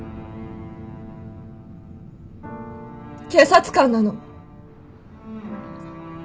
警察官なの。